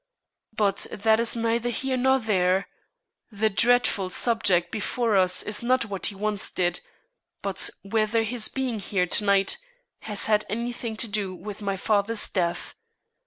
But that is neither here nor there; the dreadful subject before us is not what he once did, but whether his being here to night has had any thing to do with my father's death.